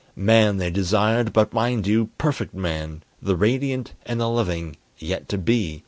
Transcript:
Man they desired, but mind you, Perfect Man, The radiant and the loving, yet to be!